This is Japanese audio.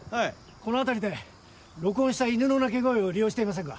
この辺りで録音した犬の鳴き声を利用していませんか？